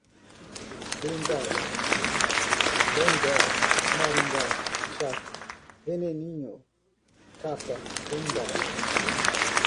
blindada, bandeco, maringa, jato, veneninho, capa, bumbá